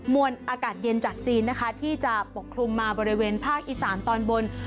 มวลอากาศเย็นจากจีนนะคะที่จะปกคลุมมาบริเวณภาคอีสานตอนบน